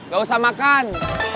gak usah makan